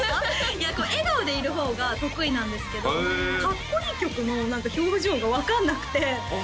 いや笑顔でいる方が得意なんですけどかっこいい曲の表情が分かんなくてああ